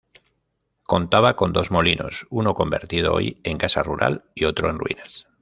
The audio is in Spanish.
Contaba con dos molinos, uno convertido hoy en casa rural y otro en ruinas.